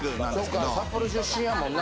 そっか札幌出身やもんな。